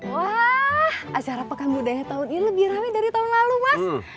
wah acara pekan budaya tahun ini lebih rame dari tahun lalu mas